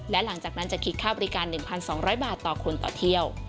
และหลังจากนั้นจะคิดค่าบริการ๑๒๐๐บาทต่อคนต่อเที่ยว